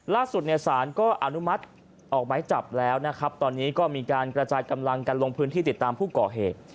ล่าสุดเนี่ยสารก็อนุมัติออกไม้จับแล้วนะครับตอนนี้ก็มีการกระจายกำลังกันลงพื้นที่ติดตามผู้ก่อเหตุ